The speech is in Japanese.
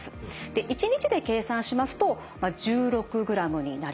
１日で計算しますと１６グラムになります。